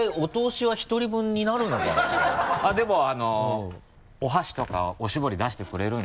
でもお箸とかおしぼり出してくれるんです。